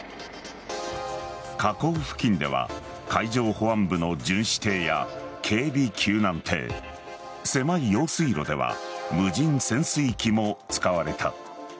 河口付近では海上保安部の巡視艇や警備救難艇狭い用水路では無人潜水機も使われた。